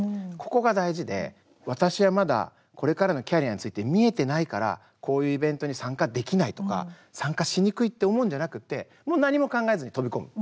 ここが大事で私はまだこれからのキャリアについて見えてないからこういうイベントに参加できないとか参加しにくいって思うんじゃなくて何も考えずに飛び込む。